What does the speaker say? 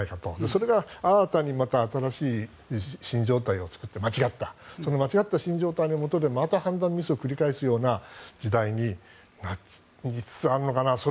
それが新たに新しい新状態を作って間違った間違った新状態のもとでまた判断ミスを繰り返すような時代になりつつあるのかなと。